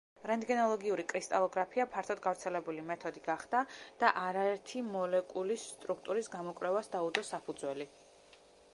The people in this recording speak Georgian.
რენტგენოლოგიური კრისტალოგრაფია ფართოდ გავრცელებული მეთოდი გახდა და არაერთი მოლეკულის სტრუქტურის გამოკვლევას დაუდო საფუძველი.